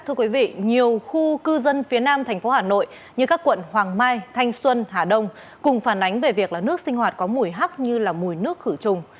thưa quý vị nhiều khu cư dân phía nam thành phố hà nội như các quận hoàng mai thanh xuân hà đông cùng phản ánh về việc là nước sinh hoạt có mùi hắc như mùi nước khử trùng